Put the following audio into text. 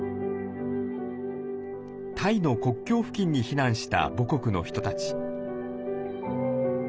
タイの国境付近に避難した母国の人たち。